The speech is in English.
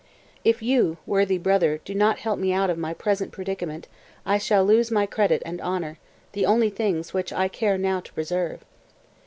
224. "If you, worthy brother, do not help me out of my present predicament I shall lose my credit and honor, the only things which I care now to preserve."